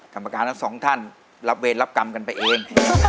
กรรมการทั้งสองท่านรับเวรรับกรรมกันไปเอง